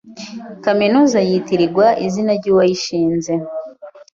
Kaminuza yitirirwa izina ryuwashinze.